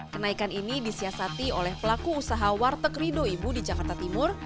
kenaikan ini disiasati oleh pelaku usaha warteg rido ibu di jakarta timur